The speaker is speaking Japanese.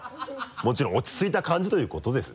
もちろん落ち着いた感じということですよ。